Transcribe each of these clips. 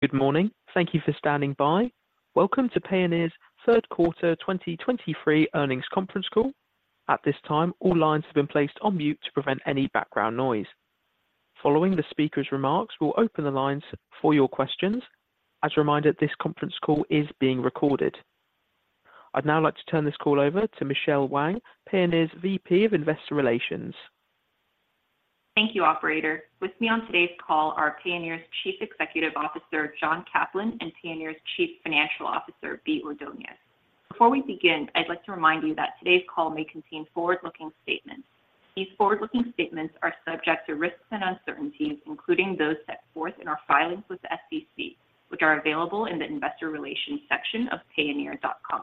Good morning. Thank you for standing by. Welcome to Payoneer's third quarter 2023 earnings conference call. At this time, all lines have been placed on mute to prevent any background noise. Following the speaker's remarks, we'll open the lines for your questions. As a reminder, this conference call is being recorded. I'd now like to turn this call over to Michelle Wang, Payoneer's VP of Investor Relations. Thank you, operator. With me on today's call are Payoneer's Chief Executive Officer, John Caplan, and Payoneer's Chief Financial Officer, Bea Ordonez. Before we begin, I'd like to remind you that today's call may contain forward-looking statements. These forward-looking statements are subject to risks and uncertainties, including those set forth in our filings with the SEC, which are available in the investor relations section of Payoneer.com.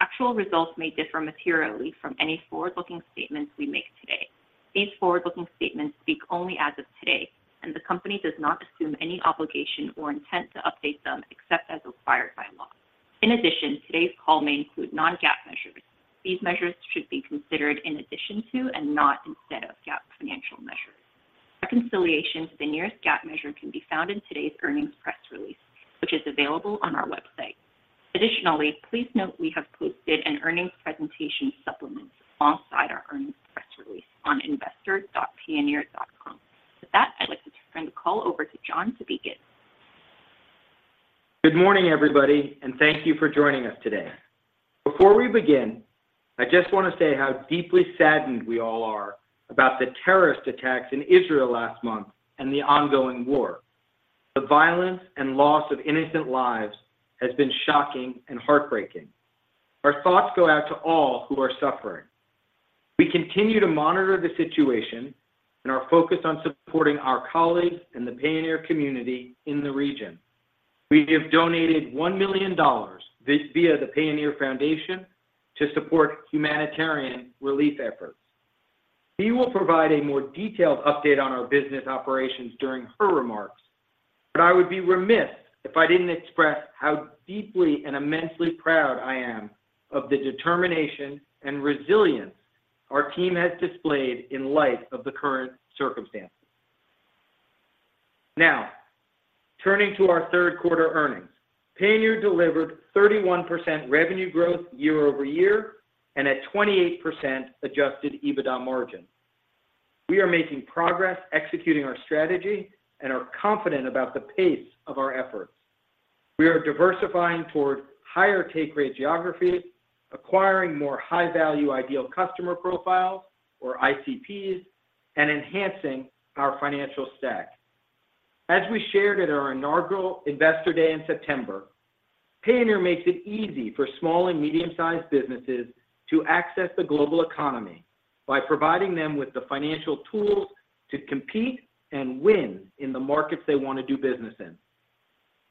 Actual results may differ materially from any forward-looking statements we make today. These forward-looking statements speak only as of today, and the company does not assume any obligation or intent to update them except as required by law. In addition, today's call may include non-GAAP measures. These measures should be considered in addition to, and not instead of, GAAP financial measures. Reconciliations to the nearest GAAP measure can be found in today's earnings press release, which is available on our website. Additionally, please note we have posted an earnings presentation supplement alongside our earnings press release on investor.payoneer.com. With that, I'd like to turn the call over to John to begin. Good morning, everybody, and thank you for joining us today. Before we begin, I just want to say how deeply saddened we all are about the terrorist attacks in Israel last month and the ongoing war. The violence and loss of innocent lives has been shocking and heartbreaking. Our thoughts go out to all who are suffering. We continue to monitor the situation and are focused on supporting our colleagues and the Payoneer community in the region. We have donated $1 million via the Payoneer Foundation to support humanitarian relief efforts. Bea will provide a more detailed update on our business operations during her remarks, but I would be remiss if I didn't express how deeply and immensely proud I am of the determination and resilience our team has displayed in light of the current circumstances. Now, turning to our third quarter earnings. Payoneer delivered 31% revenue growth YoY and a 28% Adjusted EBITDA margin. We are making progress executing our strategy and are confident about the pace of our efforts. We are diversifying toward higher take-rate geographies, acquiring more high-value ideal customer profiles or ICPs, and enhancing our financial stack. As we shared at our inaugural Investor Day in September, Payoneer makes it easy for small and medium-sized businesses to access the global economy by providing them with the financial tools to compete and win in the markets they want to do business in.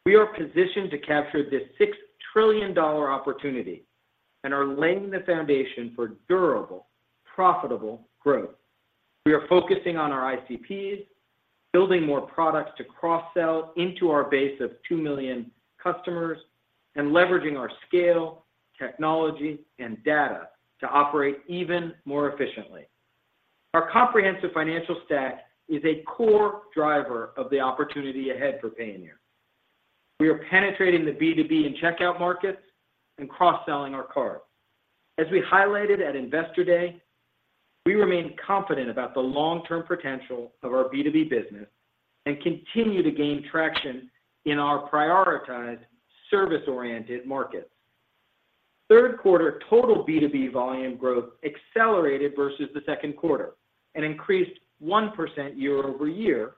We are positioned to capture this $6 trillion opportunity and are laying the foundation for durable, profitable growth. We are focusing on our ICPs, building more products to cross-sell into our base of 2 million customers, and leveraging our scale, technology, and data to operate even more efficiently. Our comprehensive financial stack is a core driver of the opportunity ahead for Payoneer. We are penetrating the B2B and Checkout markets and cross-selling our card. As we highlighted at Investor Day, we remain confident about the long-term potential of our B2B business and continue to gain traction in our prioritized service-oriented markets. Third quarter total B2B volume growth accelerated versus the second quarter and increased 1% YoY,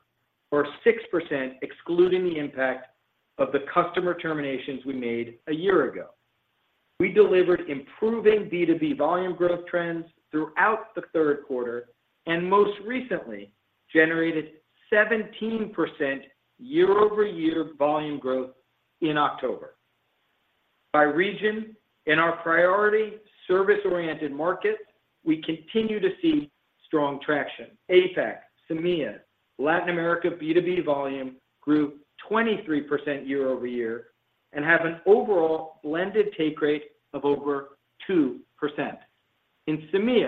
or 6%, excluding the impact of the customer terminations we made a year ago. We delivered improving B2B volume growth trends throughout the third quarter and most recently generated 17% YoY volume growth in October. By region, in our priority service-oriented markets, we continue to see strong traction. APAC, MEA, Latin America, B2B volume grew 23% YoY and have an overall blended take rate of over 2%. In MEA,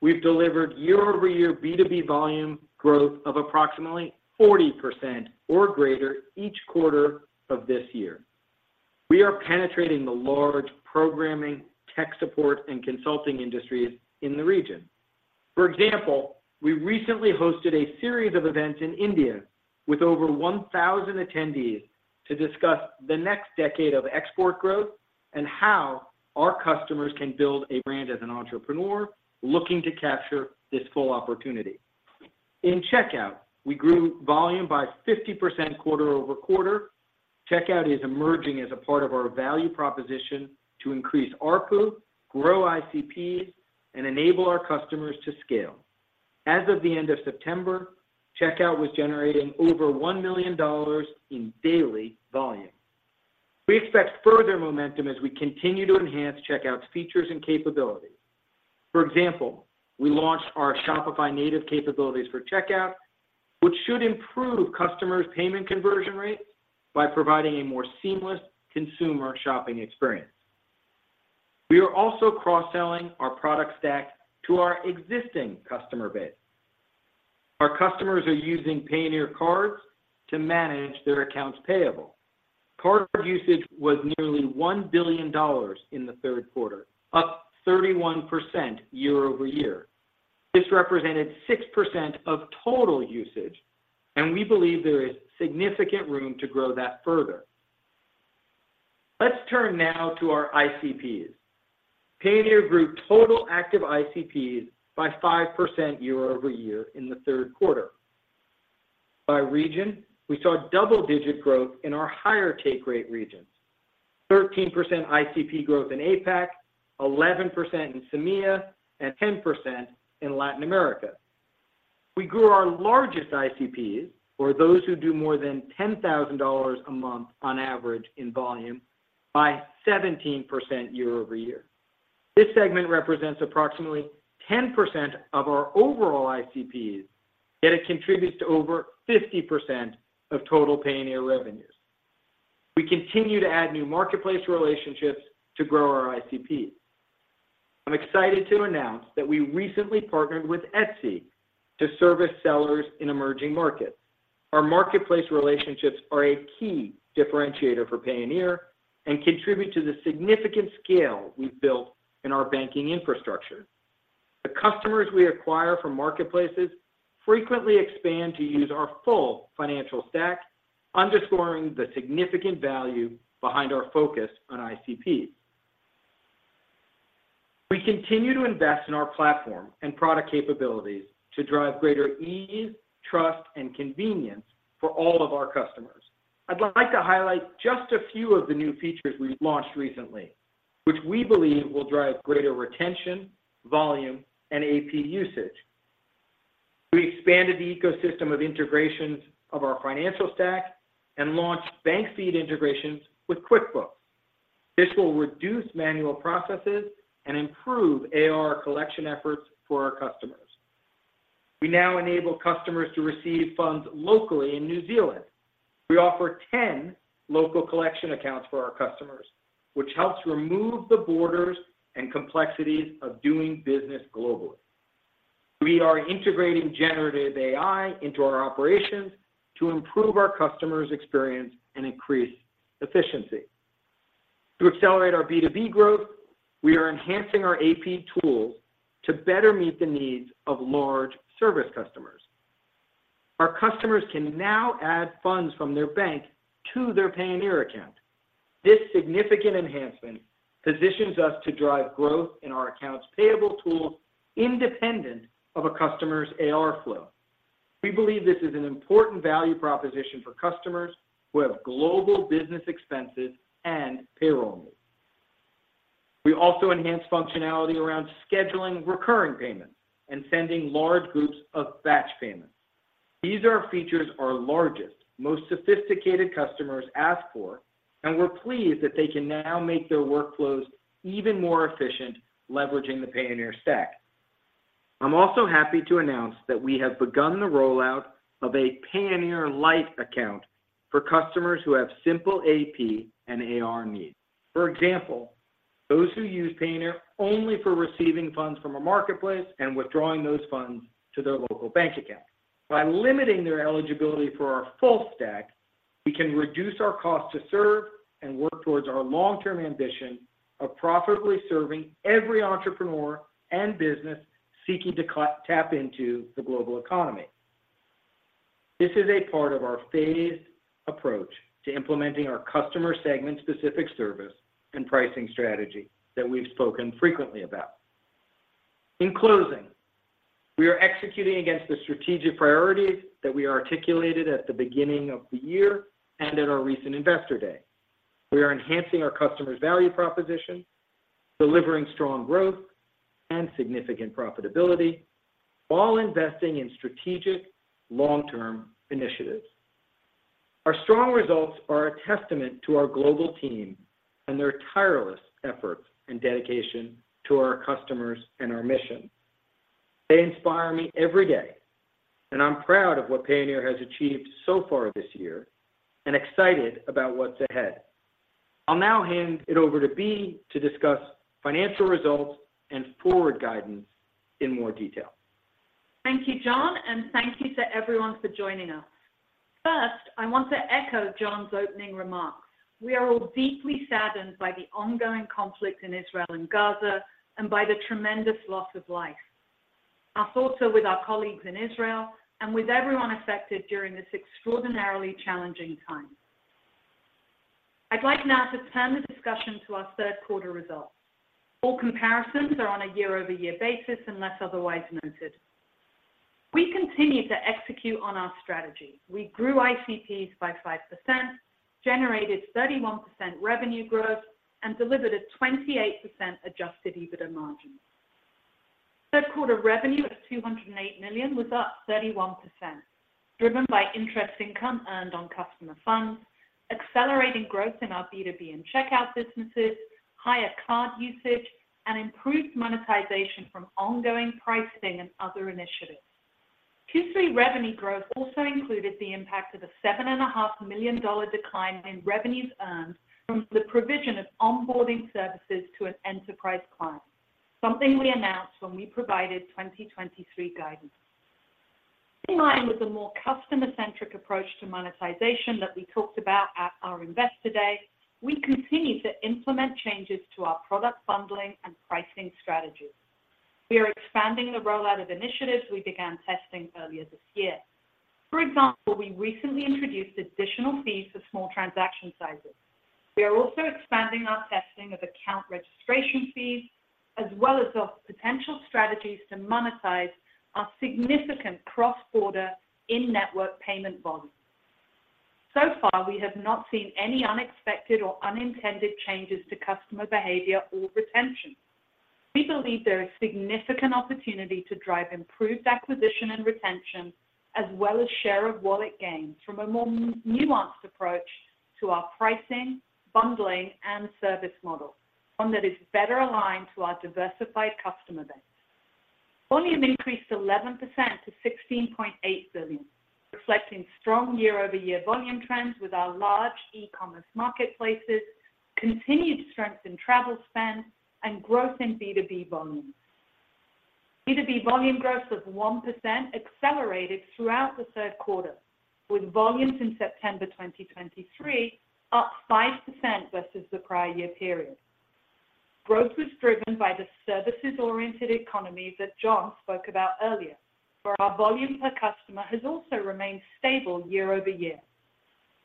we've delivered YoY B2B volume growth of approximately 40% or greater each quarter of this year. We are penetrating the large programming, tech support, and consulting industries in the region. For example, we recently hosted a series of events in India with over 1,000 attendees to discuss the next decade of export growth and how our customers can build a brand as an entrepreneur looking to capture this full opportunity. In Checkout, we grew volume by 50% QoQ. Checkout is emerging as a part of our value proposition to increase ARPU, grow ICPs, and enable our customers to scale. As of the end of September, Checkout was generating over $1 million in daily volume. We expect further momentum as we continue to enhance Checkout's features and capabilities. For example, we launched our Shopify native capabilities for Checkout, which should improve customers' payment conversion rates by providing a more seamless consumer shopping experience. We are also cross-selling our product stack to our existing customer base. Our customers are using Payoneer cards to manage their accounts payable. Card usage was nearly $1 billion in the third quarter, up 31% YoY. This represented 6% of total usage, and we believe there is significant room to grow that further. Let's turn now to our ICPs. Payoneer grew total active ICPs by 5% YoY in the third quarter. By region, we saw double-digit growth in our higher take-rate regions: 13% ICP growth in APAC, 11% in MEA, and 10% in Latin America. We grew our largest ICPs, or those who do more than $10,000 a month on average in volume, by 17% YoY. This segment represents approximately 10% of our overall ICPs, yet it contributes to over 50% of total Payoneer revenues. We continue to add new marketplace relationships to grow our ICPs. I'm excited to announce that we recently partnered with Etsy to service sellers in emerging markets. Our marketplace relationships are a key differentiator for Payoneer and contribute to the significant scale we've built in our banking infrastructure. The customers we acquire from marketplaces frequently expand to use our full financial stack, underscoring the significant value behind our focus on ICPs. We continue to invest in our platform and product capabilities to drive greater ease, trust, and convenience for all of our customers. I'd like to highlight just a few of the new features we've launched recently, which we believe will drive greater retention, volume, and AP usage. We expanded the ecosystem of integrations of our financial stack and launched bank feed integrations with QuickBooks. This will reduce manual processes and improve AR collection efforts for our customers. We now enable customers to receive funds locally in New Zealand. We offer 10 local collection accounts for our customers, which helps remove the borders and complexities of doing business globally. We are integrating generative AI into our operations to improve our customers' experience and increase efficiency. To accelerate our B2B growth, we are enhancing our AP tools to better meet the needs of large service customers. Our customers can now add funds from their bank to their Payoneer account. This significant enhancement positions us to drive growth in our accounts payable tool independent of a customer's AR flow. We believe this is an important value proposition for customers who have global business expenses and payroll needs. We also enhanced functionality around scheduling recurring payments and sending large groups of batch payments. These are features our largest, most sophisticated customers ask for, and we're pleased that they can now make their workflows even more efficient, leveraging the Payoneer stack. I'm also happy to announce that we have begun the rollout of a Payoneer Lite account for customers who have simple AP and AR needs. For example, those who use Payoneer only for receiving funds from a marketplace and withdrawing those funds to their local bank account. By limiting their eligibility for our full stack, we can reduce our cost to serve and work towards our long-term ambition of profitably serving every entrepreneur and business seeking to tap into the global economy. This is a part of our phased approach to implementing our customer segment-specific service and pricing strategy that we've spoken frequently about. In closing, we are executing against the strategic priorities that we articulated at the beginning of the year and at our recent Investor Day. We are enhancing our customer's value proposition, delivering strong growth and significant profitability, while investing in strategic, long-term initiatives. Our strong results are a testament to our global team and their tireless efforts and dedication to our customers and our mission. They inspire me every day, and I'm proud of what Payoneer has achieved so far this year and excited about what's ahead. I'll now hand it over to Bea to discuss financial results and forward guidance in more detail. Thank you, John, and thank you to everyone for joining us. First, I want to echo John's opening remarks. We are all deeply saddened by the ongoing conflict in Israel and Gaza and by the tremendous loss of life. Our thoughts are with our colleagues in Israel and with everyone affected during this extraordinarily challenging time. I'd like now to turn the discussion to our third quarter results. All comparisons are on a YoY basis, unless otherwise noted. We continued to execute on our strategy. We grew ICPs by 5%, generated 31% revenue growth, and delivered a 28% Adjusted EBITDA margin. Third quarter revenue of $208 million was up 31%, driven by interest income earned on customer funds, accelerating growth in our B2B and Checkout businesses, higher card usage, and improved monetization from ongoing pricing and other initiatives.... Q3 revenue growth also included the impact of a $7.5 million decline in revenues earned from the provision of onboarding services to an enterprise client, something we announced when we provided 2023 guidance. In line with the more customer-centric approach to monetization that we talked about at our Investor Day, we continue to implement changes to our product bundling and pricing strategies. We are expanding the rollout of initiatives we began testing earlier this year. For example, we recently introduced additional fees for small transaction sizes. We are also expanding our testing of account registration fees, as well as of potential strategies to monetize our significant cross-border in-network payment volume. So far, we have not seen any unexpected or unintended changes to customer behavior or retention. We believe there is significant opportunity to drive improved acquisition and retention, as well as share of wallet gains from a more nuanced approach to our pricing, bundling, and service model, one that is better aligned to our diversified customer base. Volume increased 11% to $16.8 billion, reflecting strong YoY volume trends with our large e-commerce marketplaces, continued strength in travel spend, and growth in B2B volume. B2B volume growth of 1% accelerated throughout the third quarter, with volumes in September 2023 up 5% versus the prior year period. Growth was driven by the services-oriented economy that John spoke about earlier, for our volume per customer has also remained stable YoY.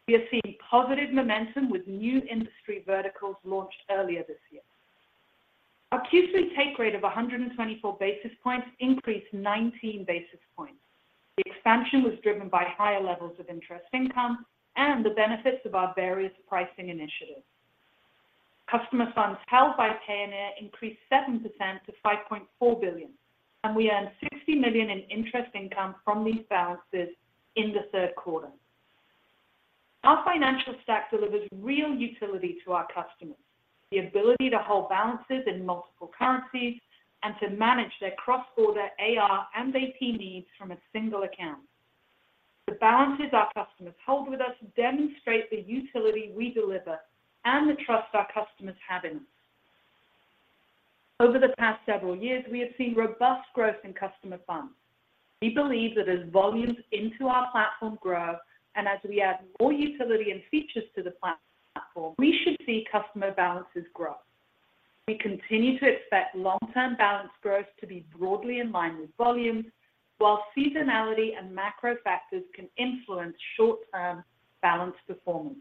We are seeing positive momentum with new industry verticals launched earlier this year. Our Q3 take rate of 124 basis points increased 19 basis points. The expansion was driven by higher levels of interest income and the benefits of our various pricing initiatives. Customer funds held by Payoneer increased 7% to $5.4 billion, and we earned $60 million in interest income from these balances in the third quarter. Our financial stack delivers real utility to our customers, the ability to hold balances in multiple currencies and to manage their cross-border AR and AP needs from a single account. The balances our customers hold with us demonstrate the utility we deliver and the trust our customers have in us. Over the past several years, we have seen robust growth in customer funds. We believe that as volumes into our platform grow, and as we add more utility and features to the platform, we should see customer balances grow. We continue to expect long-term balance growth to be broadly in line with volumes, while seasonality and macro factors can influence short-term balance performance.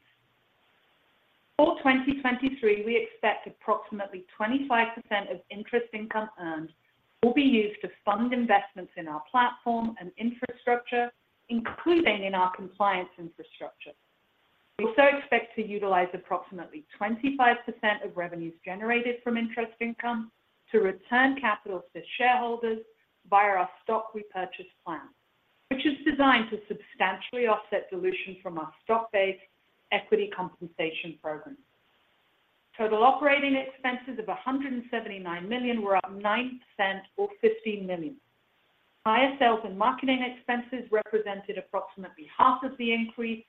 For 2023, we expect approximately 25% of interest income earned will be used to fund investments in our platform and infrastructure, including in our compliance infrastructure. We also expect to utilize approximately 25% of revenues generated from interest income to return capital to shareholders via our stock repurchase plan, which is designed to substantially offset dilution from our stock-based equity compensation program. Total operating expenses of $179 million were up 9% or $15 million. Higher sales and marketing expenses represented approximately half of the increase,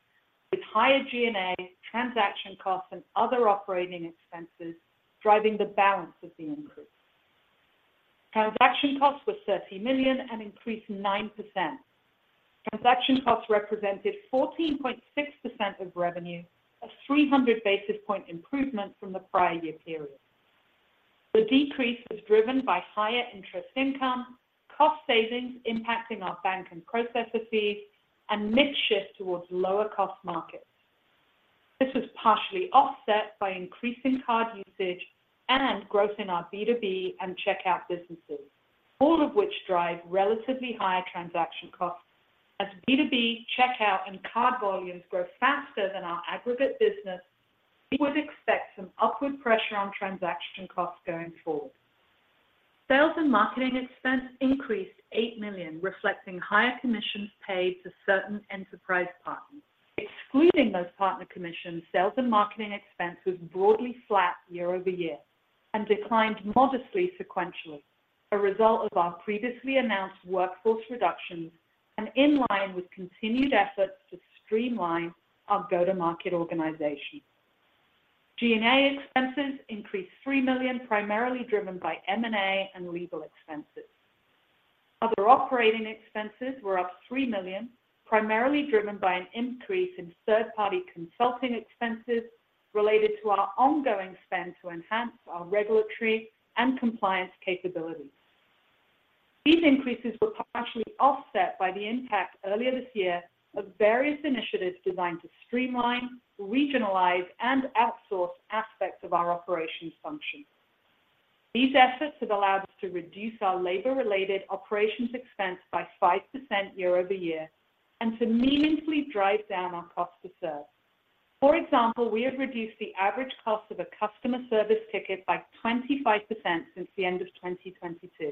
with higher G&A, transaction costs, and other operating expenses driving the balance of the increase. Transaction costs were $30 million and increased 9%. Transaction costs represented 14.6% of revenue, a 300 basis point improvement from the prior year period. The decrease was driven by higher interest income, cost savings impacting our bank and processor fees, and mix shift towards lower-cost markets. This was partially offset by increasing card usage and growth in our B2B and Checkout businesses, all of which drive relatively higher transaction costs. As B2B, Checkout, and card volumes grow faster than our aggregate business, we would expect some upward pressure on transaction costs going forward. Sales and marketing expense increased $8 million, reflecting higher commissions paid to certain enterprise partners. Excluding those partner commissions, sales and marketing expense was broadly flat YoY and declined modestly sequentially, a result of our previously announced workforce reductions and in line with continued efforts to streamline our go-to-market organization. G&A expenses increased $3 million, primarily driven by M&A and legal expenses. Other operating expenses were up $3 million, primarily driven by an increase in third-party consulting expenses related to our ongoing spend to enhance our regulatory and compliance capabilities. These increases were partially offset by the impact earlier this year of various initiatives designed to streamline, regionalize, and outsource aspects of our operations function. These efforts have allowed us to reduce our labor-related operations expense by 5% YoY and to meaningfully drive down our cost to serve. For example, we have reduced the average cost of a customer service ticket by 25% since the end of 2022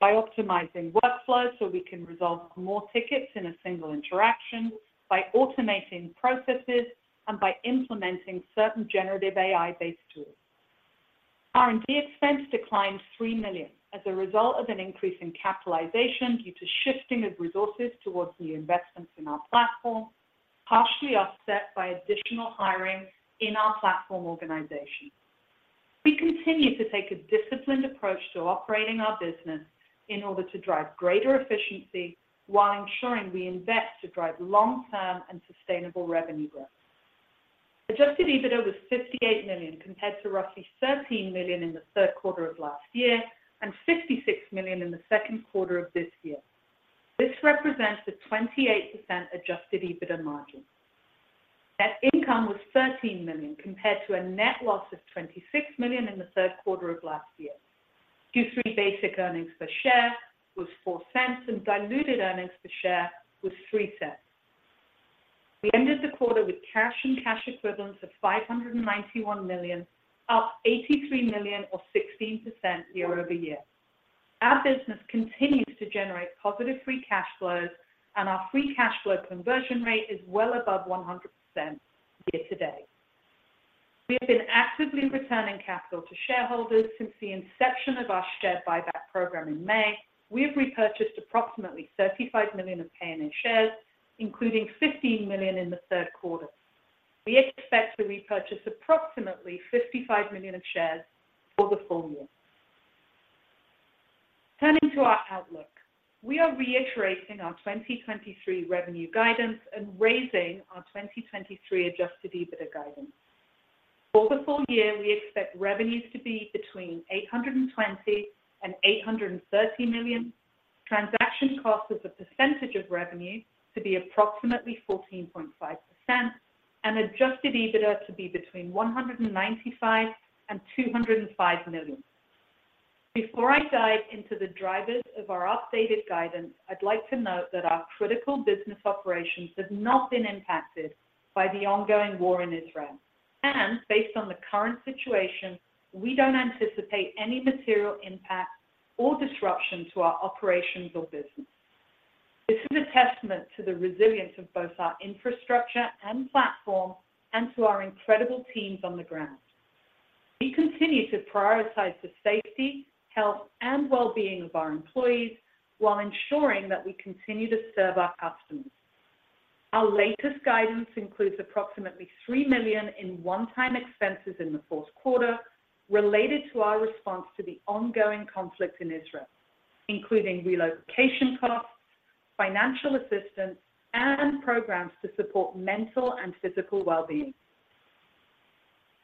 by optimizing workflows, so we can resolve more tickets in a single interaction, by automating processes, and by implementing certain generative AI-based tools.... R&D expense declined $3 million as a result of an increase in capitalization due to shifting of resources towards new investments in our platform, partially offset by additional hiring in our platform organization. We continue to take a disciplined approach to operating our business in order to drive greater efficiency, while ensuring we invest to drive long-term and sustainable revenue growth. Adjusted EBITDA was $58 million, compared to roughly $13 million in the third quarter of last year and $56 million in the second quarter of this year. This represents a 28% Adjusted EBITDA margin. Net income was $13 million, compared to a net loss of $26 million in the third quarter of last year. Q3 basic earnings per share was $0.04, and diluted earnings per share was $0.03. We ended the quarter with cash and cash equivalents of $591 million, up $83 million or 16% YoY. Our business continues to generate positive free cash flows, and our free cash flow conversion rate is well above 100% year-to-date. We have been actively returning capital to shareholders since the inception of our share buyback program in May. We have repurchased approximately 35 million of Payoneer shares, including 15 million in the third quarter. We expect to repurchase approximately 55 million of shares for the full year. Turning to our outlook, we are reiterating our 2023 revenue guidance and raising our 2023 Adjusted EBITDA guidance. For the full year, we expect revenues to be between $820 million and $830 million, transaction costs as a percentage of revenue to be approximately 14.5%, and Adjusted EBITDA to be between $195 million and $205 million. Before I dive into the drivers of our updated guidance, I'd like to note that our critical business operations have not been impacted by the ongoing war in Israel, and based on the current situation, we don't anticipate any material impact or disruption to our operations or business. This is a testament to the resilience of both our infrastructure and platform and to our incredible teams on the ground. We continue to prioritize the safety, health, and well-being of our employees while ensuring that we continue to serve our customers. Our latest guidance includes approximately $3 million in one-time expenses in the fourth quarter related to our response to the ongoing conflict in Israel, including relocation costs, financial assistance, and programs to support mental and physical well-being.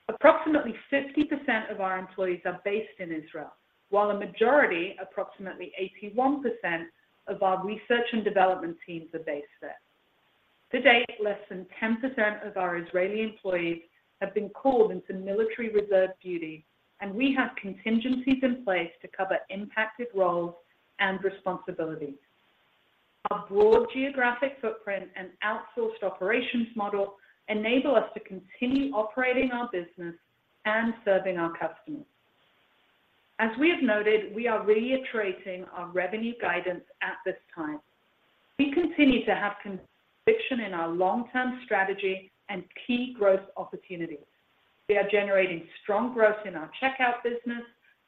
Approximately 50% of our employees are based in Israel, while a majority, approximately 81%, of our research and development teams are based there. To date, less than 10% of our Israeli employees have been called into military reserve duty, and we have contingencies in place to cover impacted roles and responsibilities. Our broad geographic footprint and outsourced operations model enable us to continue operating our business and serving our customers. As we have noted, we are reiterating our revenue guidance at this time. We continue to have conviction in our long-term strategy and key growth opportunities. We are generating strong growth in our Checkout business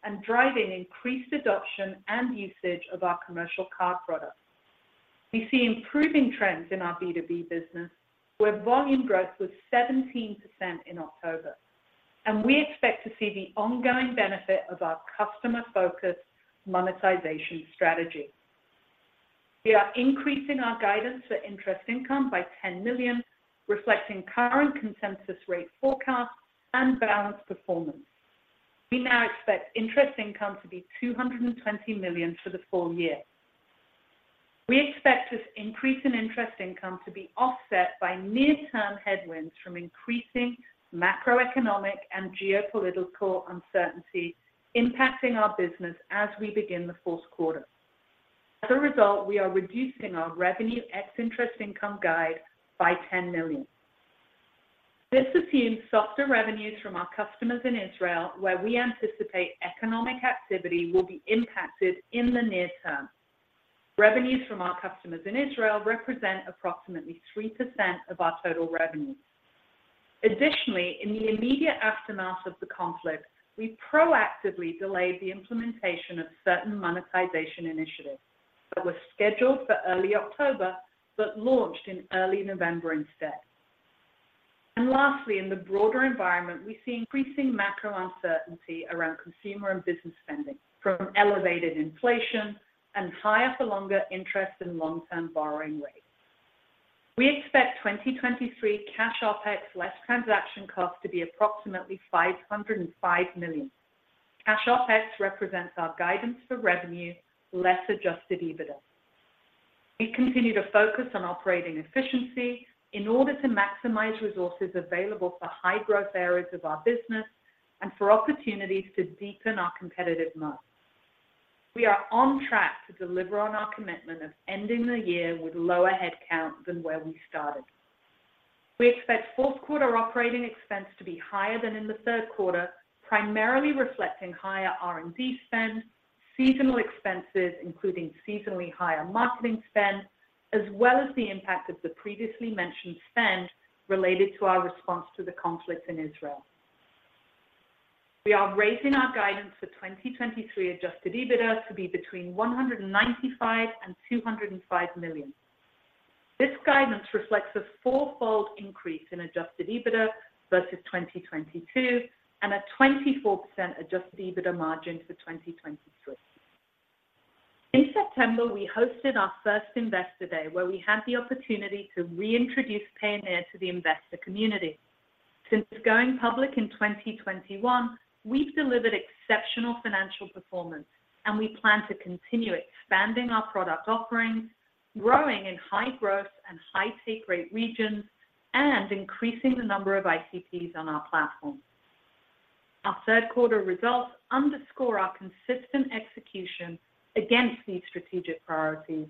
and driving increased adoption and usage of our commercial card products. We see improving trends in our B2B business, where volume growth was 17% in October, and we expect to see the ongoing benefit of our customer-focused monetization strategy. We are increasing our guidance for interest income by $10 million, reflecting current consensus rate forecasts and balance performance. We now expect interest income to be $220 million for the full year. We expect this increase in interest income to be offset by near-term headwinds from increasing macroeconomic and geopolitical uncertainty impacting our business as we begin the fourth quarter. As a result, we are reducing our revenue ex-interest income guide by $10 million. This assumes softer revenues from our customers in Israel, where we anticipate economic activity will be impacted in the near term. Revenues from our customers in Israel represent approximately 3% of our total revenue. Additionally, in the immediate aftermath of the conflict, we proactively delayed the implementation of certain monetization initiatives that were scheduled for early October, but launched in early November instead. And lastly, in the broader environment, we see increasing macro uncertainty around consumer and business spending from elevated inflation and higher for longer interest and long-term borrowing rates. We expect 2023 cash OpEx less transaction costs to be approximately $505 million. Cash OpEx represents our guidance for revenue, less Adjusted EBITDA. We continue to focus on operating efficiency in order to maximize resources available for high growth areas of our business and for opportunities to deepen our competitive moat. We are on track to deliver on our commitment of ending the year with lower headcount than where we started. We expect fourth quarter operating expense to be higher than in the third quarter, primarily reflecting higher R&D spend, seasonal expenses, including seasonally higher marketing spend, as well as the impact of the previously mentioned spend related to our response to the conflict in Israel. We are raising our guidance for 2023 Adjusted EBITDA to be between $195 million and $205 million. This guidance reflects a 4-fold increase in Adjusted EBITDA versus 2022 and a 24% Adjusted EBITDA margin for 2023. In September, we hosted our first Investor Day, where we had the opportunity to reintroduce Payoneer to the investor community. Since going public in 2021, we've delivered exceptional financial performance, and we plan to continue expanding our product offerings, growing in high-growth and high-take-rate regions, and increasing the number of ICPs on our platform. Our third quarter results underscore our consistent execution against these strategic priorities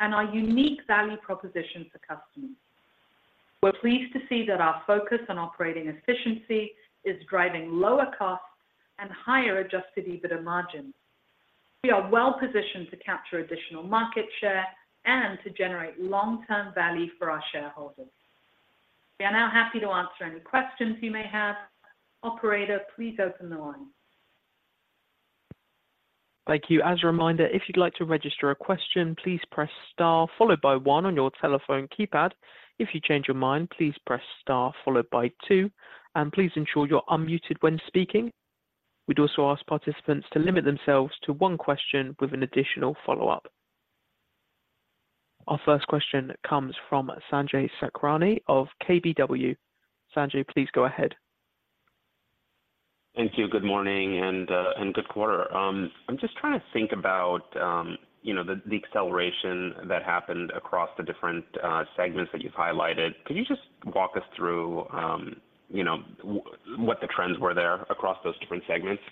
and our unique value proposition to customers. We're pleased to see that our focus on operating efficiency is driving lower costs and higher Adjusted EBITDA margins. We are well positioned to capture additional market share and to generate long-term value for our shareholders. We are now happy to answer any questions you may have. Operator, please open the line. Thank you. As a reminder, if you'd like to register a question, please press star followed by one on your telephone keypad. If you change your mind, please press star followed by two, and please ensure you're unmuted when speaking. We'd also ask participants to limit themselves to one question with an additional follow-up. Our first question comes from Sanjay Sakhrani of KBW. Sanjay, please go ahead. Thank you. Good morning, and good quarter. I'm just trying to think about, you know, the acceleration that happened across the different segments that you've highlighted. Could you just walk us through, you know, what the trends were there across those different segments?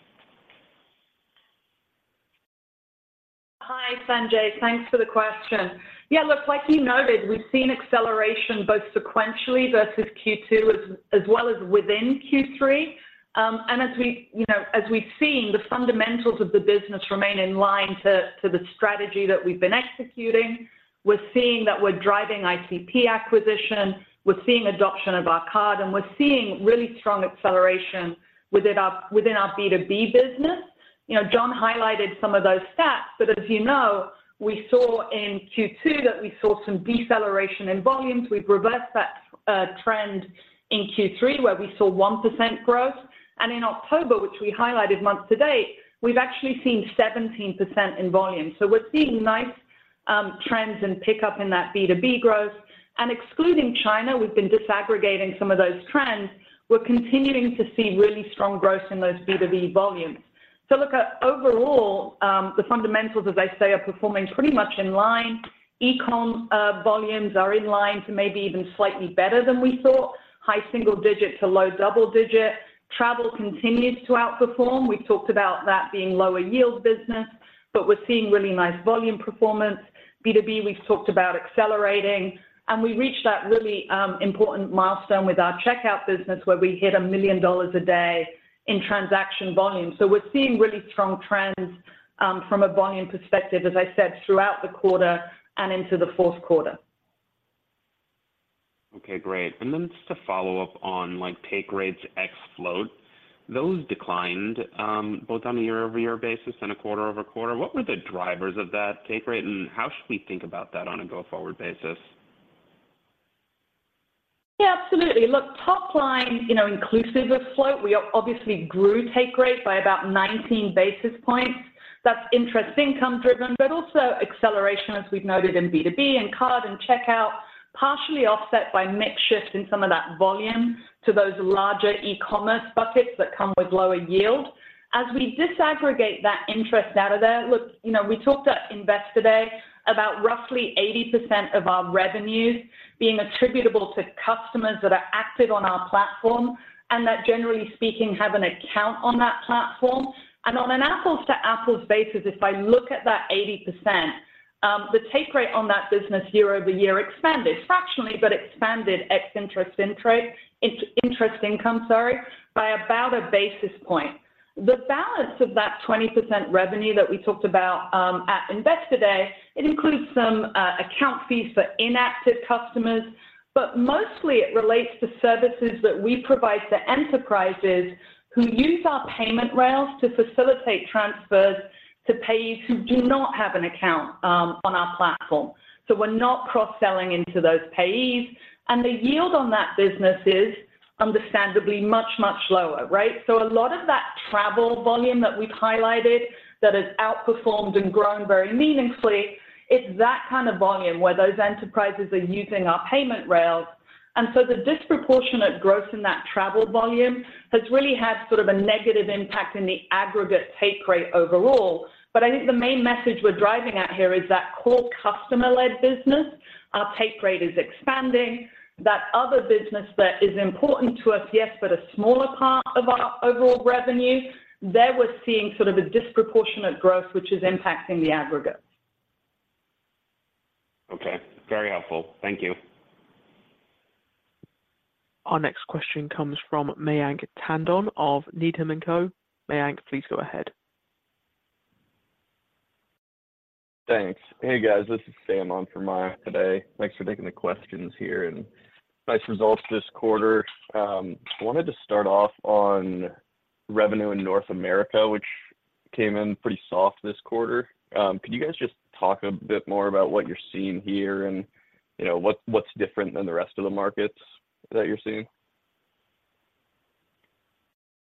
Hi, Sanjay. Thanks for the question. Yeah, look, like you noted, we've seen acceleration both sequentially versus Q2 as well as within Q3. And as we, you know, as we've seen, the fundamentals of the business remain in line to the strategy that we've been executing. We're seeing that we're driving ICP acquisition, we're seeing adoption of our card, and we're seeing really strong acceleration within our B2B business. You know, John highlighted some of those stats, but as you know, we saw in Q2 that we saw some deceleration in volumes. We've reversed that trend in Q3, where we saw 1% growth. And in October, which we highlighted month to date, we've actually seen 17% in volume. So we're seeing nice trends and pickup in that B2B growth. Excluding China, we've been disaggregating some of those trends. We're continuing to see really strong growth in those B2B volumes. Look, overall, the fundamentals, as I say, are performing pretty much in line. E-com volumes are in line to maybe even slightly better than we thought, high single digit to low double digit. Travel continues to outperform. We've talked about that being lower yield business, but we're seeing really nice volume performance. B2B, we've talked about accelerating, and we reached that really important milestone with our Checkout business, where we hit $1 million a day in transaction volume. We're seeing really strong trends, from a volume perspective, as I said, throughout the quarter and into the fourth quarter. Okay, great. And then just to follow up on, like, take rates ex float, those declined, both on a YoY basis and a QoQ. What were the drivers of that take rate, and how should we think about that on a go-forward basis? Yeah, absolutely. Look, top line, you know, inclusive of float, we obviously grew take rate by about 19 basis points. That's interest income driven, but also acceleration, as we've noted in B2B and card and Checkout, partially offset by mix shift in some of that volume to those larger e-commerce buckets that come with lower yield. As we disaggregate that interest out of there, look, you know, we talked at Investor Day about roughly 80% of our revenues being attributable to customers that are active on our platform and that, generally speaking, have an account on that platform. And on an apples-to-apples basis, if I look at that 80%, the take rate on that business YoY expanded, fractionally, but expanded ex-interest intrate, interest income, sorry, by about a basis point. The balance of that 20% revenue that we talked about at Investor Day, it includes some account fees for inactive customers, but mostly it relates to services that we provide to enterprises who use our payment rails to facilitate transfers to payees who do not have an account on our platform. So we're not cross-selling into those payees, and the yield on that business is understandably much, much lower, right? So a lot of that travel volume that we've highlighted that has outperformed and grown very meaningfully, it's that kind of volume where those enterprises are using our payment rails. And so the disproportionate growth in that travel volume has really had sort of a negative impact in the aggregate take rate overall. But I think the main message we're driving at here is that core customer-led business, our take rate is expanding. That other business that is important to us, yes, but a smaller part of our overall revenue, there we're seeing sort of a disproportionate growth, which is impacting the aggregate. Helpful. Thank you. Our next question comes from Mayank Tandon of Needham and Company. Mayank, please go ahead. Thanks. Hey, guys, this is Sam on for Mayank today. Thanks for taking the questions here, and nice results this quarter. I wanted to start off on revenue in North America, which came in pretty soft this quarter. Could you guys just talk a bit more about what you're seeing here, and, you know, what's different than the rest of the markets that you're seeing?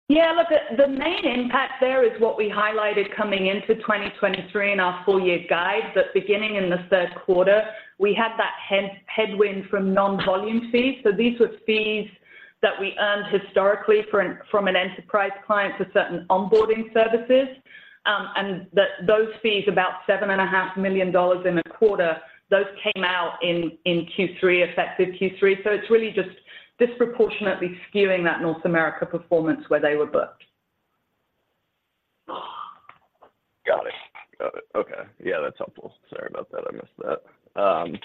Yeah, look, the main impact there is what we highlighted coming into 2023 in our full year guide, that beginning in the third quarter, we had that headwind from non-volume fees. So these were fees that we earned historically from an enterprise client for certain onboarding services. And those fees, about $7.5 million in a quarter, those came out in Q3, effective Q3. So it's really just disproportionately skewing that North America performance where they were booked. Got it. Got it. Okay. Yeah, that's helpful. Sorry about that, I missed that.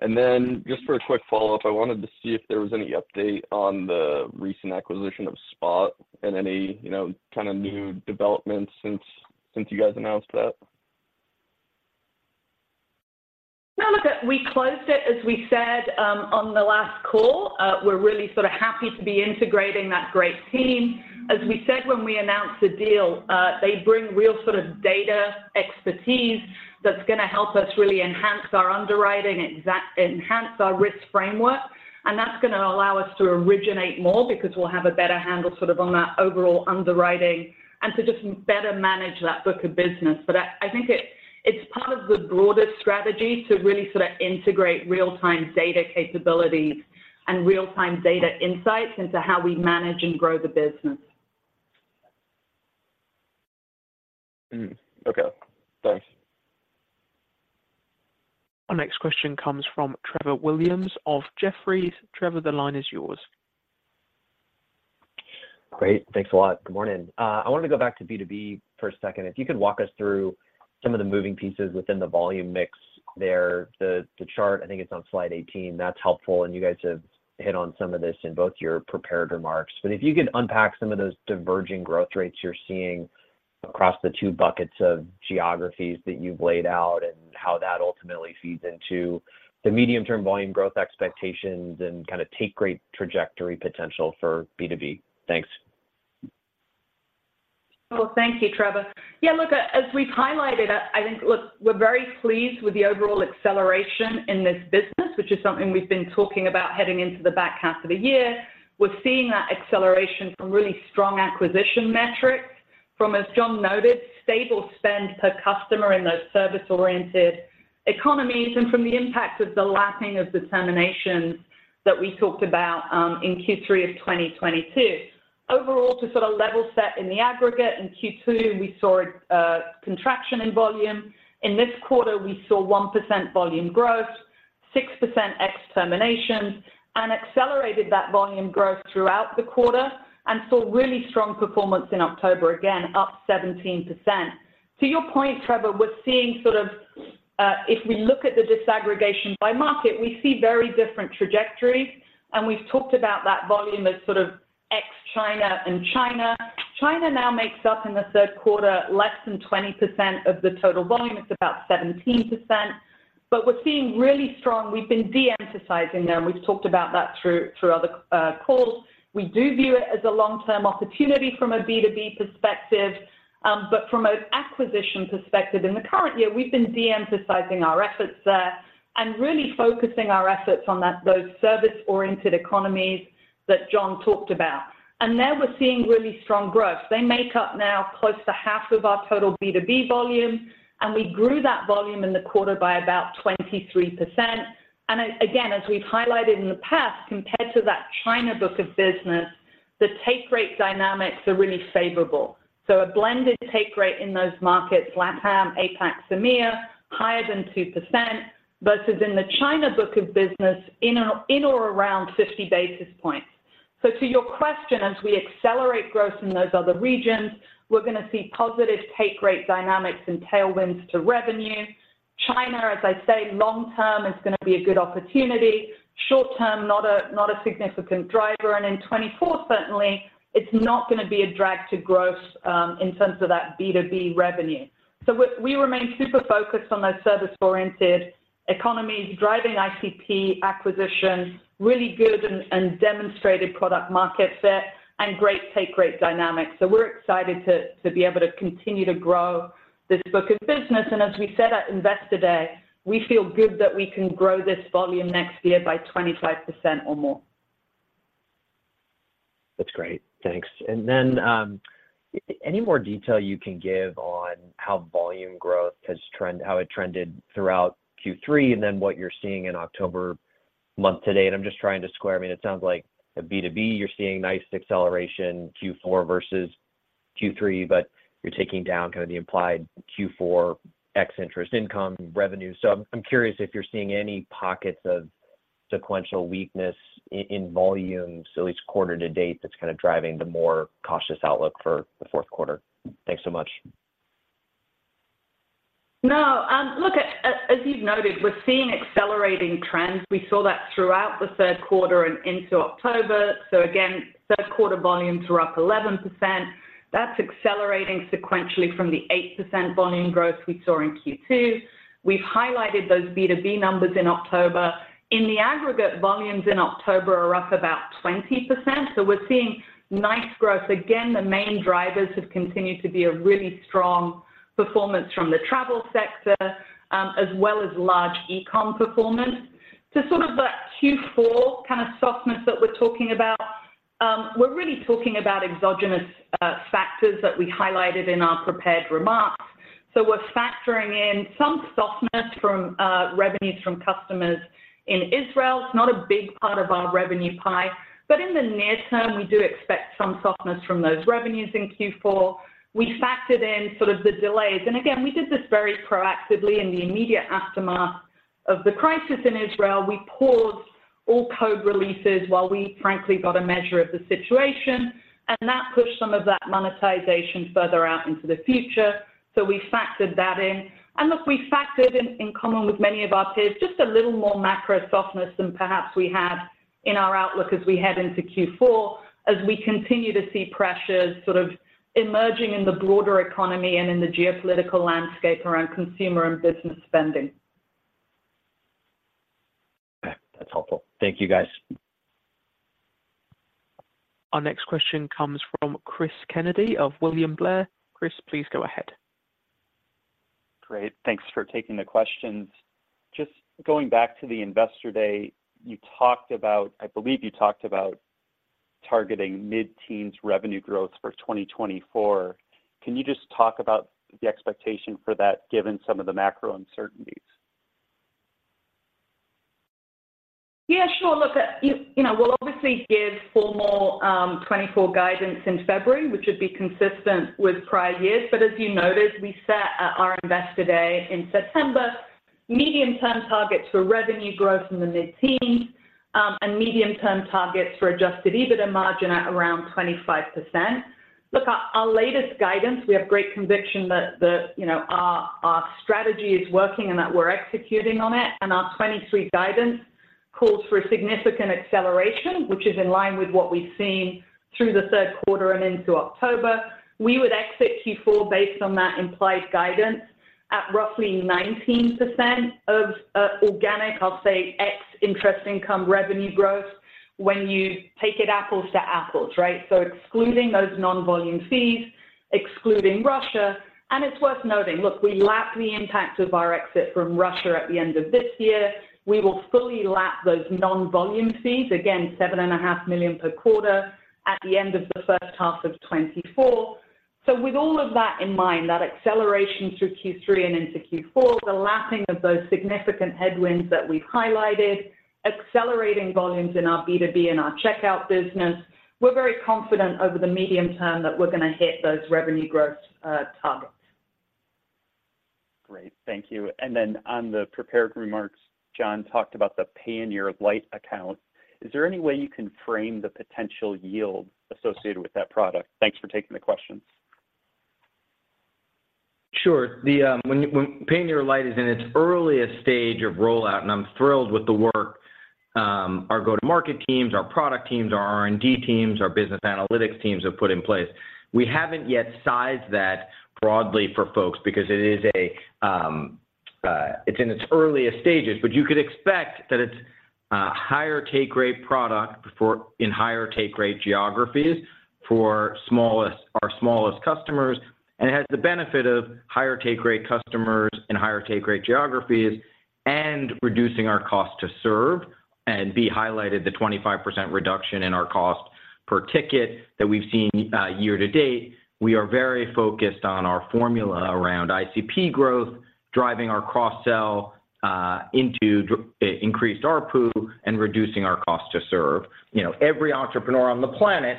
And then just for a quick follow-up, I wanted to see if there was any update on the recent acquisition of Spott and any, you know, kind of new developments since, since you guys announced that? No, look, we closed it, as we said, on the last call. We're really sort of happy to be integrating that great team. As we said when we announced the deal, they bring real sort of data expertise that's gonna help us really enhance our underwriting, enhance our risk framework. And that's gonna allow us to originate more because we'll have a better handle sort of on our overall underwriting and to just better manage that book of business. But I think it, it's part of the broader strategy to really sort of integrate real-time data capabilities and real-time data insights into how we manage and grow the business. Mm-hmm. Okay. Thanks. Our next question comes from Trevor Williams of Jefferies. Trevor, the line is yours. Great. Thanks a lot. Good morning. I wanted to go back to B2B for a second. If you could walk us through some of the moving pieces within the volume mix there. The chart, I think it's on slide 18, that's helpful, and you guys have hit on some of this in both your prepared remarks. But if you could unpack some of those diverging growth rates you're seeing across the two buckets of geographies that you've laid out, and how that ultimately feeds into the medium-term volume growth expectations and kind of take rate trajectory potential for B2B. Thanks. Well, thank you, Trevor. Yeah, look, as we've highlighted, I think, look, we're very pleased with the overall acceleration in this business, which is something we've been talking about heading into the back half of the year. We're seeing that acceleration from really strong acquisition metrics, from, as John noted, stable spend per customer in those service-oriented economies and from the impact of the lapsing of the terminations that we talked about in Q3 of 2022. Overall, to sort of level set in the aggregate, in Q2, we saw a contraction in volume. In this quarter, we saw 1% volume growth, 6% ex-terminations, and accelerated that volume growth throughout the quarter and saw really strong performance in October, again, up 17%. To your point, Trevor, we're seeing sort of, if we look at the disaggregation by market, we see very different trajectories, and we've talked about that volume as sort of ex-China and China. China now makes up in the third quarter, less than 20% of the total volume. It's about 17%. But we're seeing really strong... We've been de-emphasizing them. We've talked about that through other calls. We do view it as a long-term opportunity from a B2B perspective. But from an acquisition perspective, in the current year, we've been de-emphasizing our efforts there and really focusing our efforts on those service-oriented economies that John talked about. And there we're seeing really strong growth. They make up now close to half of our total B2B volume, and we grew that volume in the quarter by about 23%. Again, as we've highlighted in the past, compared to that China book of business, the take rate dynamics are really favorable. So a blended take rate in those markets, LATAM, APAC, MEA, higher than 2%, versus in the China book of business, in or around 50 basis points. So to your question, as we accelerate growth in those other regions, we're gonna see positive take rate dynamics and tailwinds to revenue. China, as I say, long term, is gonna be a good opportunity. Short term, not a significant driver, and in 2024, certainly, it's not gonna be a drag to growth, in terms of that B2B revenue. So we remain super focused on those service-oriented economies, driving ICP acquisitions, really good and demonstrated product market fit and great take rate dynamics. We're excited to be able to continue to grow this book of business. As we said at Investor Day, we feel good that we can grow this volume next year by 25% or more. That's great. Thanks. And then, any more detail you can give on how volume growth has trended throughout Q3, and then what you're seeing in October month to date? I'm just trying to square... I mean, it sounds like at B2B, you're seeing nice acceleration, Q4 versus Q3, but you're taking down kind of the implied Q4 ex-interest income revenue. So I'm curious if you're seeing any pockets of sequential weakness in volumes, at least quarter to date, that's kinda driving the more cautious outlook for the fourth quarter. Thanks so much. No, look at, as you've noted, we're seeing accelerating trends. We saw that throughout the third quarter and into October. So again, third quarter volumes were up 11%. That's accelerating sequentially from the 8% volume growth we saw in Q2. We've highlighted those B2B numbers in October. In the aggregate, volumes in October are up about 20%, so we're seeing nice growth. Again, the main drivers have continued to be a really strong performance from the travel sector, as well as large e-com performance. So sort of that Q4 kind of softness that we're talking about, we're really talking about exogenous factors that we highlighted in our prepared remarks. So we're factoring in some softness from revenues from customers in Israel. It's not a big part of our revenue pie, but in the near term, we do expect some softness from those revenues in Q4. We factored in sort of the delays, and again, we did this very proactively in the immediate aftermath of the crisis in Israel. We paused all code releases while we frankly got a measure of the situation, and that pushed some of that monetization further out into the future. So we factored that in. And look, we factored in, in common with many of our peers, just a little more macro softness than perhaps we had in our outlook as we head into Q4, as we continue to see pressures sort of emerging in the broader economy and in the geopolitical landscape around consumer and business spending. Okay, that's helpful. Thank you, guys. Our next question comes from Chris Kennedy of William Blair. Chris, please go ahead. Great. Thanks for taking the questions. Just going back to the Investor Day, you talked about, I believe you talked about targeting mid-teens revenue growth for 2024. Can you just talk about the expectation for that, given some of the macro uncertainties? Yeah, sure. Look, you know, we'll obviously give formal 2024 guidance in February, which would be consistent with prior years. But as you noted, we set at our Investor Day in September medium-term targets for revenue growth in the mid-teens and medium-term targets for Adjusted EBITDA margin at around 25%. Look, our latest guidance, we have great conviction that the, you know, our strategy is working and that we're executing on it, and our 2023 guidance calls for a significant acceleration, which is in line with what we've seen through the third quarter and into October. We would exit Q4 based on that implied guidance at roughly 19% of organic, I'll say, ex interest income revenue growth when you take it apples to apples, right? So excluding those non-volume fees, excluding Russia. It's worth noting, look, we lap the impact of our exit from Russia at the end of this year. We will fully lap those non-volume fees, again, $7.5 million per quarter, at the end of the first half of 2024. So with all of that in mind, that acceleration through Q3 and into Q4, the lapping of those significant headwinds that we've highlighted, accelerating volumes in our B2B and ourCheckout business, we're very confident over the medium term that we're going to hit those revenue growth targets. Great. Thank you. Then on the prepared remarks, John talked about the Payoneer Lite account. Is there any way you can frame the potential yield associated with that product? Thanks for taking the questions. Sure. The when Payoneer Lite is in its earliest stage of rollout, and I'm thrilled with the work our go-to-market teams, our product teams, our R&D teams, our business analytics teams have put in place. We haven't yet sized that broadly for folks because it is a it's in its earliest stages. But you could expect that it's a higher take rate product for in higher take rate geographies for our smallest customers. And it has the benefit of higher take rate customers and higher take rate geographies and reducing our cost to serve and we highlighted the 25% reduction in our cost per ticket that we've seen year to date. We are very focused on our formula around ICP growth, driving our cross-sell into increased ARPU, and reducing our cost to serve. You know, every entrepreneur on the planet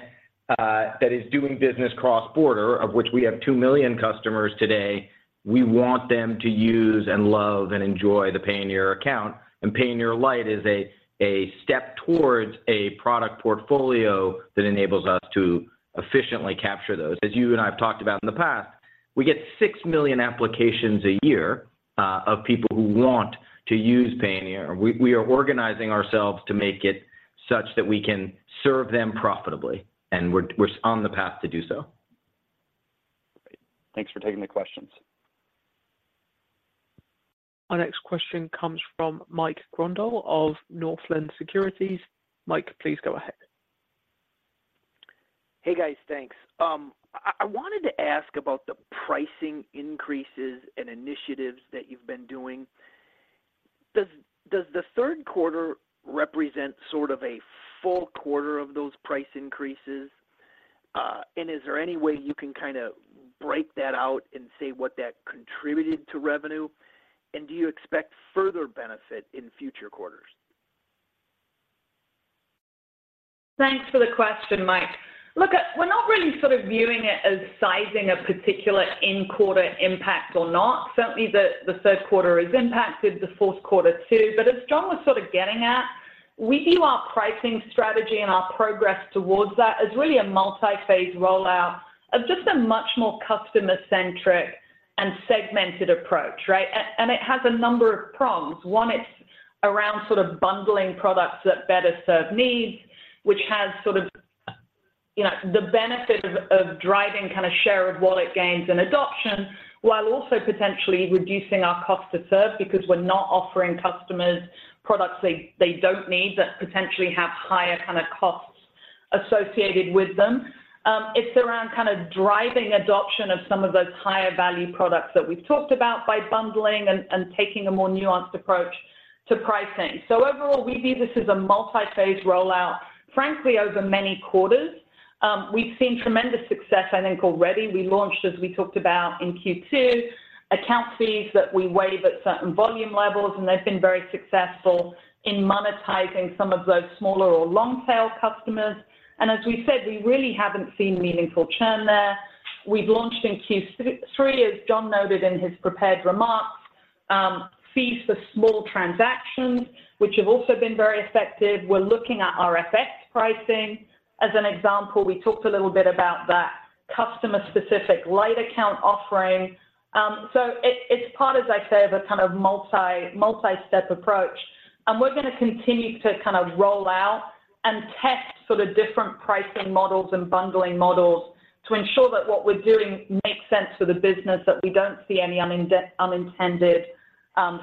that is doing business cross-border, of which we have 2 million customers today, we want them to use and love and enjoy the Payoneer account. Payoneer Lite is a step towards a product portfolio that enables us to efficiently capture those. As you and I have talked about in the past, we get 6 million applications a year of people who want to use Payoneer. We are organizing ourselves to make it such that we can serve them profitably, and we're on the path to do so. Great. Thanks for taking the questions. Our next question comes from Mike Grondahl of Northland Securities. Mike, please go ahead. Hey, guys, thanks. I wanted to ask about the pricing increases and initiatives that you've been doing. Does the third quarter represent sort of a full quarter of those price increases? And is there any way you can kinda break that out and say what that contributed to revenue? And do you expect further benefit in future quarters? Thanks for the question, Mike. Look, we're not really sort of viewing it as sizing a particular in-quarter impact or not. Certainly, the third quarter is impacted, the fourth quarter too. But as John was sort of getting at, we view our pricing strategy and our progress towards that as really a multi-phase rollout of just a much more customer-centric and segmented approach, right? And it has a number of prongs. One, it's around sort of bundling products that better serve needs, which has sort of, you know, the benefit of driving kind of share of wallet gains and adoption, while also potentially reducing our cost to serve because we're not offering customers products they don't need, that potentially have higher kind of costs associated with them. It's around kind of driving adoption of some of those higher value products that we've talked about by bundling and, and taking a more nuanced approach to pricing. So overall, we view this as a multi-phase rollout, frankly, over many quarters. We've seen tremendous success, I think, already. We launched, as we talked about in Q2, account fees that we waive at certain volume levels, and they've been very successful in monetizing some of those smaller or long tail customers. As we said, we really haven't seen meaningful churn there. We've launched in Q3, as John noted in his prepared remarks, fees for small transactions, which have also been very effective. We're looking at our FX pricing. As an example, we talked a little bit about that customer-specific light account offering. So it's part, as I say, of a kind of multi-step approach and we're gonna continue to kind of roll out and test sort of different pricing models and bundling models to ensure that what we're doing makes sense for the business, that we don't see any unintended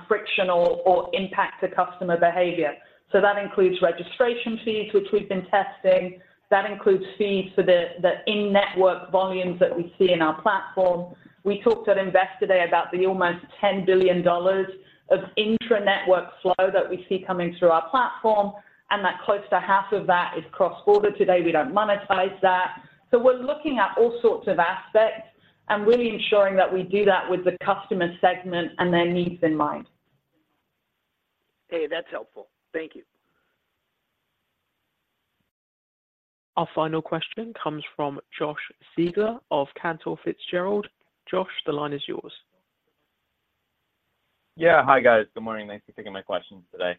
frictional or impact to customer behavior. So that includes registration fees, which we've been testing. That includes fees for the in-network volumes that we see in our platform. We talked at Investor Day about the almost $10 billion of intra-network flow that we see coming through our platform, and that close to half of that is cross-border. Today, we don't monetize that. So we're looking at all sorts of aspects and really ensuring that we do that with the customer segment and their needs in mind. Hey, that's helpful. Thank you. Our final question comes from Josh Siegler of Cantor Fitzgerald. Josh, the line is yours. Yeah. Hi, guys. Good morning. Thanks for taking my questions today.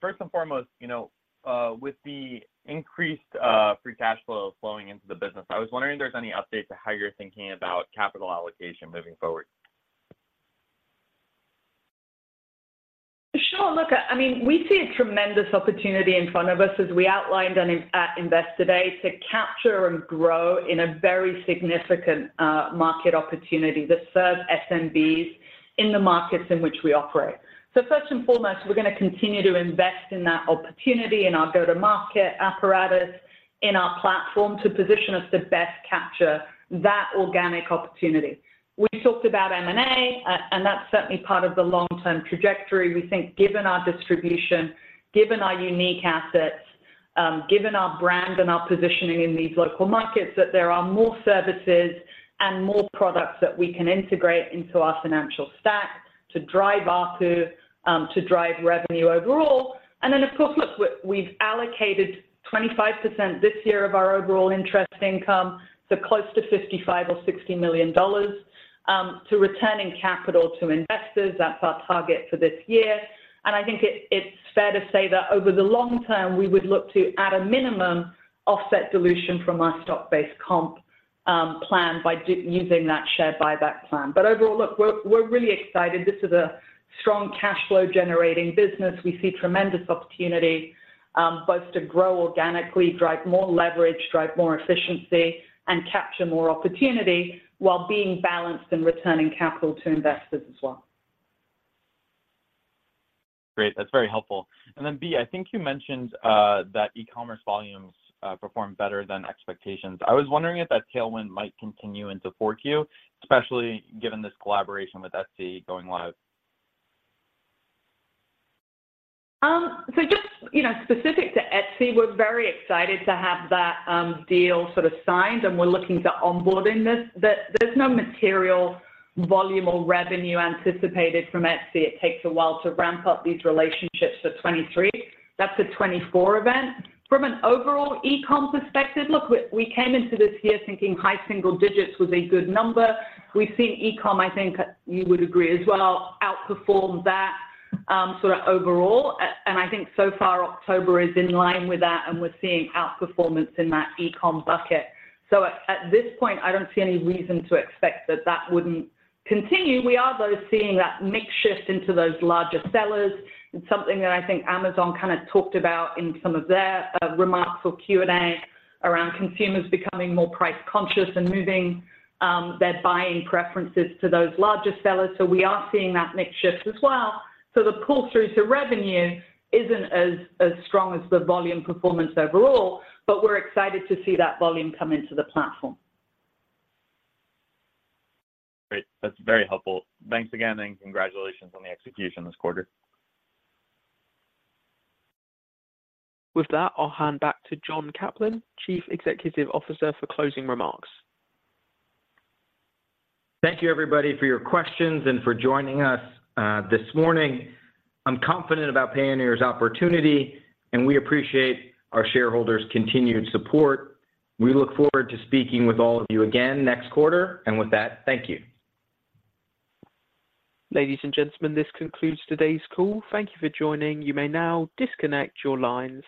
First and foremost, you know, with the increased free cash flow flowing into the business, I was wondering if there's any update to how you're thinking about capital allocation moving forward? Sure. Look, I mean, we see a tremendous opportunity in front of us, as we outlined at Investor Day, to capture and grow in a very significant market opportunity that serves SMBs in the markets in which we operate. So first and foremost, we're gonna continue to invest in that opportunity, in our go-to-market apparatus, in our platform to position us to best capture that organic opportunity. We talked about M&A, and that's certainly part of the long-term trajectory. We think, given our distribution, given our unique assets, given our brand and our positioning in these local markets, that there are more services and more products that we can integrate into our financial stack to drive ARPU, to drive revenue overall. And then, of course, look, we've, we've allocated 25% this year of our overall interest income, so close to $55 million or $60 million to returning capital to investors. That's our target for this year. And I think it's fair to say that over the long term, we would look to, at a minimum, offset dilution from our stock-based comp plan by using that share buyback plan. But overall, look, we're, we're really excited. This is a strong cash flow generating business. We see tremendous opportunity both to grow organically, drive more leverage, drive more efficiency, and capture more opportunity while being balanced and returning capital to investors as well. Great, that's very helpful. And then, Bea, I think you mentioned that e-commerce volumes performed better than expectations. I was wondering if that tailwind might continue into 4Q, especially given this collaboration with Etsy going live? So just, you know, specific to Etsy, we're very excited to have that, deal sort of signed, and we're looking to onboarding this. There's no material volume or revenue anticipated from Etsy. It takes a while to ramp up these relationships for 2023. That's a 2024 event. From an overall e-com perspective, look, we came into this year thinking high single digits was a good number. We've seen e-com, I think you would agree as well, outperform that, sort of overall. And I think so far, October is in line with that, and we're seeing outperformance in that e-com bucket. So at this point, I don't see any reason to expect that that wouldn't continue. We are, though, seeing that mix shift into those larger sellers. It's something that I think Amazon kind of talked about in some of their remarks or Q&A around consumers becoming more price conscious and moving their buying preferences to those larger sellers. So we are seeing that mix shift as well. So the pull-through to revenue isn't as strong as the volume performance overall, but we're excited to see that volume come into the platform. Great. That's very helpful. Thanks again, and congratulations on the execution this quarter. With that, I'll hand back to John Caplan, Chief Executive Officer, for closing remarks. Thank you, everybody, for your questions and for joining us, this morning. I'm confident about Payoneer's opportunity, and we appreciate our shareholders' continued support. We look forward to speaking with all of you again next quarter. With that, thank you. Ladies and gentlemen, this concludes today's call. Thank you for joining. You may now disconnect your lines.